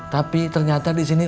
tapi ternyata disini